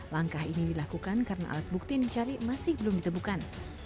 langkah ini dilakukan karena alat bukti yang dicari masih belum ditemukan